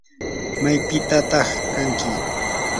¿maypitataq kanki?